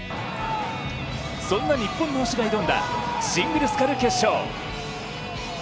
そんな日本の星が挑んだシングルスカル決勝。